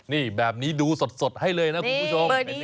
นี่แบบนี้ดูสดให้เลยนะคุณผู้ชม